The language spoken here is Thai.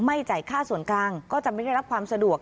จ่ายค่าส่วนกลางก็จะไม่ได้รับความสะดวก